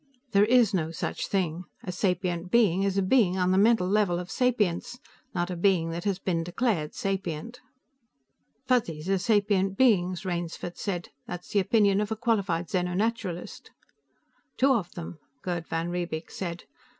"There is no such thing. A sapient being is a being on the mental level of sapience, not a being that has been declared sapient." "Fuzzies are sapient beings," Rainsford said. "That's the opinion of a qualified xeno naturalist." "Two of them," Gerd van Riebeek said.